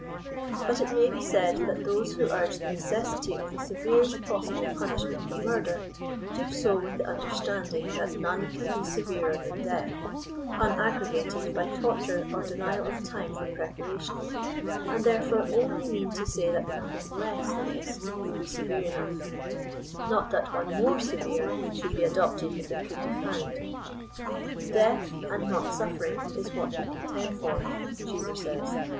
But it may be said that those who urge the necessity of the severest possible punishment for murder, do so with the under •landing that none can be severer than death, unaggravated by torture or denial of time for preparation, and therefore only mean to say that nothing less than this would be severe enough ;* Selections from the London Morning Herald^ vol. 2, p. 84. $7 not that one more serere should be adopted if h conld be fouiid. ^'Deatht and not sufiering, is what we contend for/' Cheever says.